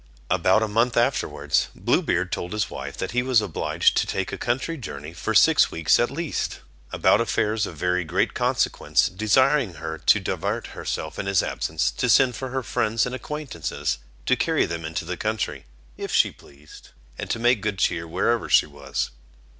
About a month afterwards Blue Beard told his wife that he was obliged to take a country journey for six weeks at least, about affairs of very great consequence, desiring her to divert herself in his absence, to send for her friends and acquaintances, to carry them into the country, if she pleased, and to make good cheer wherever she was.